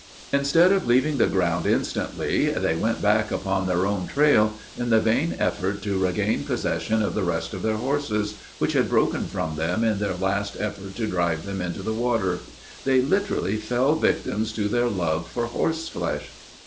Instead of leaving the ground instantly, they went back upon their own trail, in the vain effort to regain possession of the rest of their horses, which had broken from them in their last effort to drive them into the water. They literally fell victims to their love for horseflesh.